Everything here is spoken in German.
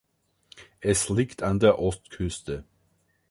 Es liegt an der Ostküste.